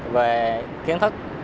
về kiến thức